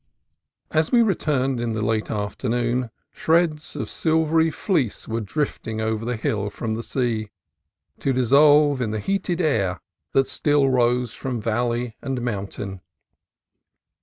As we returned in the late afternoon, shreds of sil very fleece were drifting over the hill from the sea, to dissolve in the heated air that still rose from valley and mountain.